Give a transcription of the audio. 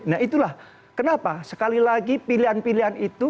nah itulah kenapa sekali lagi pilihan pilihan itu